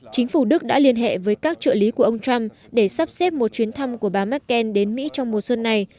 chính phủ đức đã liên hệ với các trợ lý của ông trump để sắp xếp một chuyến thăm của bà merkel đến mỹ trong mùa xuân này